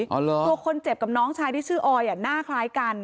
ตัวคนเจ็บกับน้องชายที่ชื่อออยหน้าคล้ายกัน